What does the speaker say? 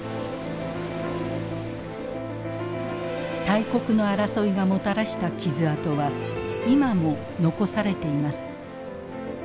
大国の争いがもたらした傷痕は今も残されています。